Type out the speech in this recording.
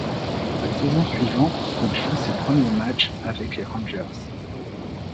La saison suivante, il joue ses premiers matchs avec les Rangers.